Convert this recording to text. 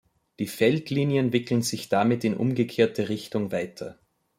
Die Feldlinien wickeln sich damit in umgekehrte Richtung weiter.